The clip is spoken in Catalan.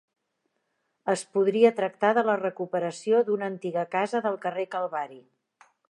Es podria tractar de la recuperació d'una antiga casa del carrer Calvari.